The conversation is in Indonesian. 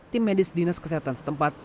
tim medis dinas kesehatan setempat